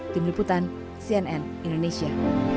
tim liputan cnn indonesia